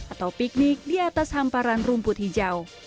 atau piknik di atas hamparan rumput hijau